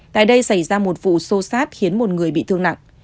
tại đây xảy ra một vụ sô sát khiến một người bị thương nặng